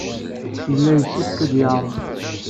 Yella yessefk ad yeɛreḍ.